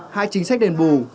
hai chính sách đền bù